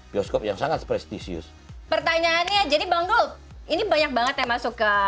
bioskop yang sangat prestisius pertanyaannya jadi bang gold ini banyak banget yang masuk ke